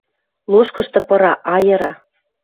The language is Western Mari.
Лошкышты пыра, айыра.